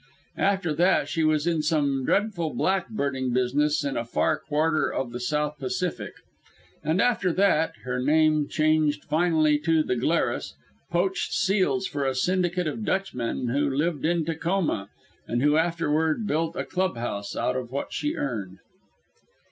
After that she was in some dreadful black birding business in a far quarter of the South Pacific; and after that her name changed finally to the Glarus poached seals for a syndicate of Dutchmen who lived in Tacoma, and who afterward built a club house out of what she earned.